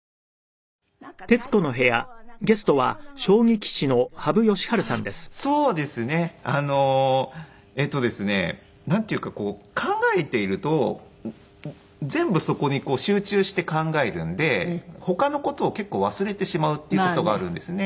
えっとですねなんていうかこう考えていると全部そこに集中して考えるんで他の事を結構忘れてしまうっていう事があるんですね。